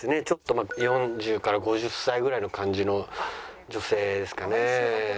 ちょっとまあ４０から５０歳ぐらいの感じの女性ですかね。